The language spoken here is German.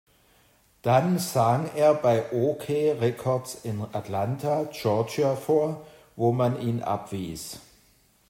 Dann sang er bei Okeh Records in Atlanta, Georgia, vor, wo man ihn abwies.